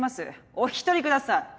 お引き取りください。